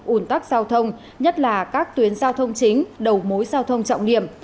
ủn tắc giao thông nhất là các tuyến giao thông chính đầu mối giao thông trọng điểm